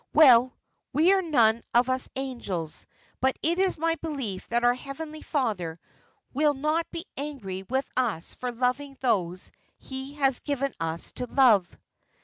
"Well, we are none of us angels, but it is my belief that our Heavenly Father will not be angry with us for loving those He has given us to love."